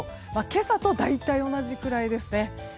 今朝と大体同じくらいですね。